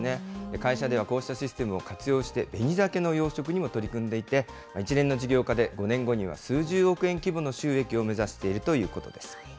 会社では、こうしたシステムを活用して、ベニザケの養殖にも取り組んでいて、一連の事業化で５年後には数十億円規模の収益を目指しているということです。